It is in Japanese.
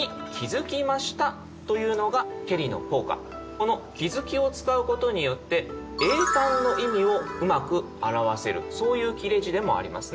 この気づきを使うことによって詠嘆の意味をうまく表せるそういう切れ字でもありますね。